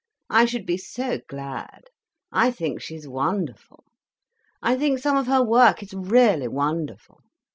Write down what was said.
I should be so glad. I think she is wonderful. I think some of her work is really wonderful.